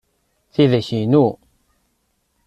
Tidak inu.